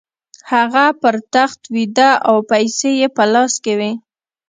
هغه پر تخت ویده او پیسې یې په لاس کې وې